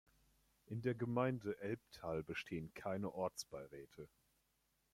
In der Gemeinde Elbtal bestehen keine Ortsbeiräte.